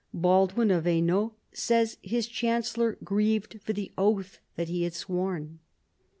Baldwin of Hainault, says his chancellor, grieved for the oath that he had sworn.